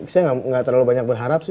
saya gak terlalu banyak berharap sih